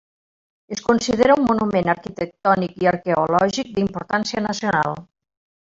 Es considera un monument arquitectònic i arqueològic d'importància nacional.